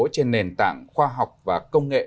trên nền tảng khoa học và công nghệ